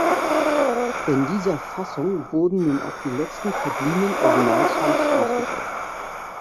In dieser Fassung wurden nun auch die letzten verbliebenen Originalsongs ausgetauscht.